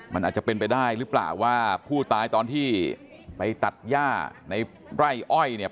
มันอาจจะเป็นไปได้หรือเปล่าว่าผู้ตายตอนที่ไปตัดย่าในไร่อ้อยเนี่ย